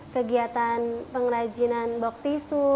kegiatan pengrajinan bok tisu